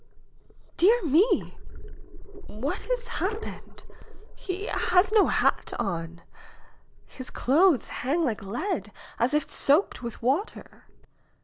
"Dear me ! what has happened ? He has no hat on ! His clothes hang like lead, as if soaked with water!